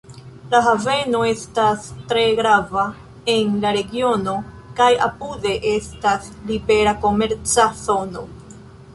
La haveno estas tre grava en la regiono kaj apude estas libera komerca zono.